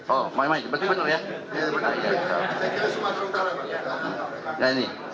oh maizen benar benar ya